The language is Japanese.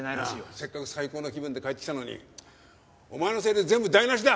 せっかく最高の気分で帰ってきたのにお前のせいで全部台無しだ！